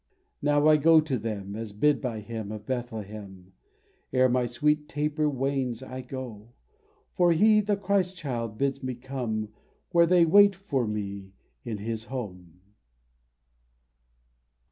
Now I go to them, As bid by Him of Bethlehem. Ere my sweet taper wanes I go ; For He, the Christ Child, bids me come Where they wait for me in His home.